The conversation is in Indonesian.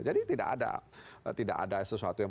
jadi tidak ada tidak ada sesuatu yang